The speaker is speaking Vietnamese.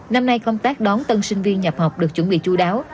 năm nay công tác đón tân sinh viên nhập học được chuẩn bị chú đáo